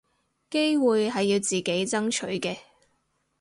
機會係要自己爭取嘅